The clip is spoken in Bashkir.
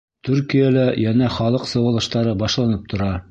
Төркиәлә йәнә халыҡ сыуалыштары башланып тора.